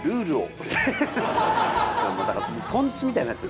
とんちみたいになっちゃう！